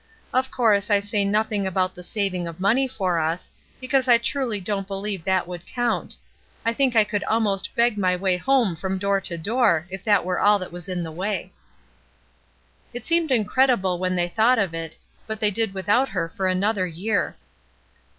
Of course I say nothing about the saving of money for us, because I truly don't believe that would count; I think I could almost beg my way home from door to door if that were all that was in the way/' It seemed incredible when they thought of it, but they did without her for another year.